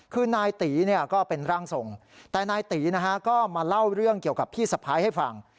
คือนายตีเนี่ยก็เป็นร่างทรงแต่นายตีนะฮะก็มาเล่าเรื่องเกี่ยวกับพี่สะพ้ายให้ฟัง